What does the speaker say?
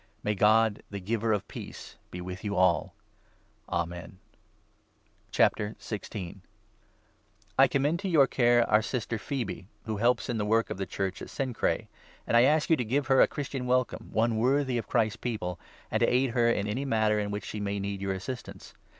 May God, the giver of 33 peace, be with you all. Amen. The Bearer ^ commend to your care our Sister, Phoebe, who i 1( of the helps in the work of the Church at Cenchreae ; Letter. ancj j asfc yOU ^o gjve.her a Christian welcome — 2 one worthy of Christ's People — and to aid her in any matter in which she may need your assistance.